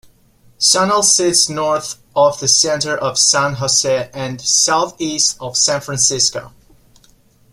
Sunol sits north of the center of San Jose and southeast of San Francisco.